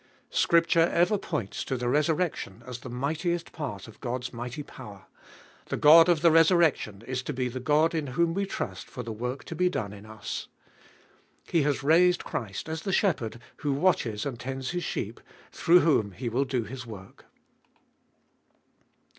Scripture ever points to the resurrection as the mightiest part of God's mighty power ; the God of the resurrection is to be the God in whom we trust for the work to be done in us. He has raised Christ, as the Shepherd, who watches and tends His sheep, through whom He will do His work.